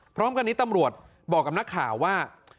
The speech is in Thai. พร้อมกันนี้ตำรวจบอกกับนักข่าวว่า